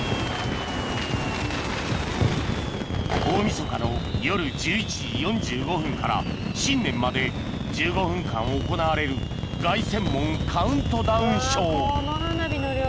［大晦日の夜１１時４５分から新年まで１５分間行われる凱旋門カウントダウンショー］